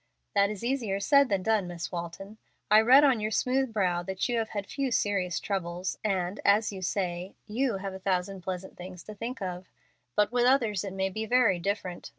"That is easier said than done, Miss Walton. I read on your smooth brow that you have had few serious troubles, and, as you say, 'you have a thousand pleasant things to think of.' But with others it may be very different.